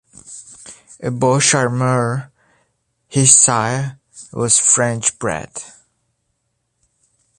Beau Charmeur, his sire, was French bred.